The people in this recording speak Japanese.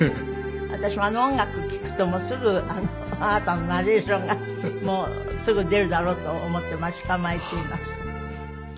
私もあの音楽聴くとすぐあなたのナレーションがすぐ出るだろうと思って待ち構えています。